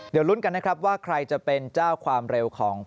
เดี๋ยวลุ้นกันนะครับว่าใครจะเป็นเจ้าความเร็วของ